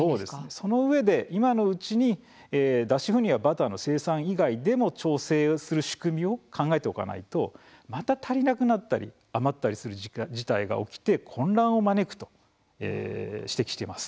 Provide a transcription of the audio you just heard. そのうえで今のうちに脱脂粉乳やバターの生産以外でも調整する仕組みを考えておかないとまた足りなくなったり余ったりする事態が起きて混乱を招くと指摘しています。